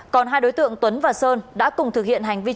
còn hai đối tượng tuấn và sơn đã cùng thực hiện hai vụ trộm cắp xe máy